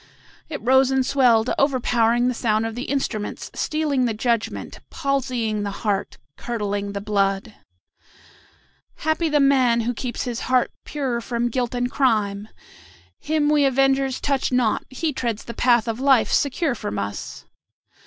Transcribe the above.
It rose and swelled, overpowering the sound of the instruments, stealing the judgment, palsying the heart, curdling the blood. "Happy the man who keeps his heart pure from guilt and crime! Him we avengers touch not; he treads the path of life secure from us.